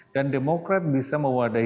dan demokrat bisa mewadahi